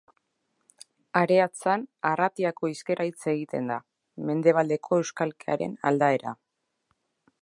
Areatzan Arratiako hizkera hitz egiten da, mendebaldeko euskalkiaren aldaera.